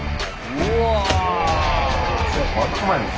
うわ。